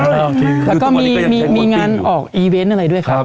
แล้วก็มีงานออกอีเวนต์อะไรด้วยครับ